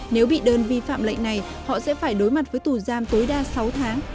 nếu bị đơn vi phạm lệnh này họ sẽ phải đối mặt với tù giam tối đa sáu tháng